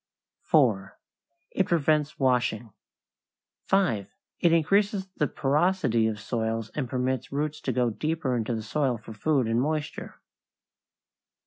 4. It prevents washing. 5. It increases the porosity of soils and permits roots to go deeper into the soil for food and moisture.